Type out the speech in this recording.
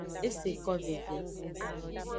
Eseko veve.